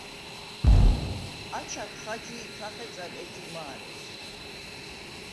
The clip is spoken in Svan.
აჩად ხაჯი ი ქა ხეწად ეჯი მა̄რეს.